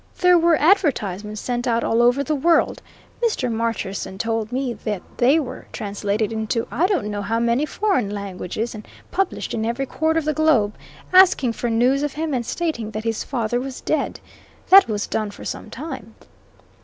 There were advertisements sent out all over the world Mr. Marcherson told me that they were translated into I don't know how many foreign languages and published in every quarter of the globe asking for news of him and stating that his father was dead. That was done for some time."